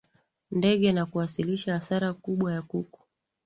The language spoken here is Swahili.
ndege na kuasilisha hasara kubwa ya kuku